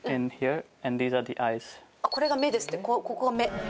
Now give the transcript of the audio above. Ｙｅａｈ．これが目ですってここが目。